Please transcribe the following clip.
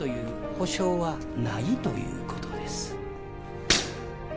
保証はないということです